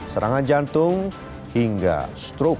serangan jantung hingga strok